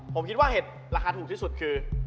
ผมคิดว่าเห็ดราคาถูกที่สุดคือ